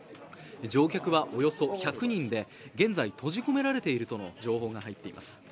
乗客はおよそ１００人で現在、閉じ込められているとの情報が入っています。